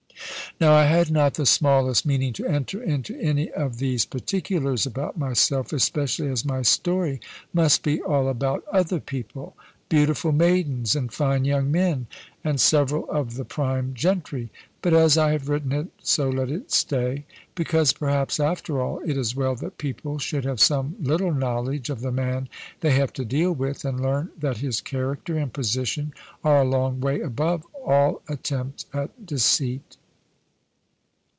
Now I had not the smallest meaning to enter into any of these particulars about myself, especially as my story must be all about other people beautiful maidens, and fine young men, and several of the prime gentry. But as I have written it, so let it stay; because, perhaps, after all, it is well that people should have some little knowledge of the man they have to deal with, and learn that his character and position are a long way above all attempt at deceit.